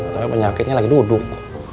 tapi penyakitnya lagi duduk